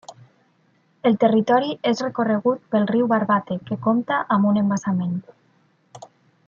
El territori és recorregut pel riu Barbate, que compta amb un embassament.